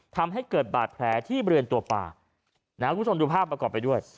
ทำให้เกิดบาดแผลที่บริเวณตัวป่านะคุณผู้ชมดูภาพประกอบไปด้วย